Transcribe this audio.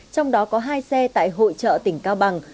trong đó có hai xe tại hội trợ tỉnh cao bằng